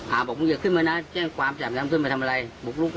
บอกมึงอย่าขึ้นมานะแจ้งความจับน้ำขึ้นมาทำอะไรบุกลุก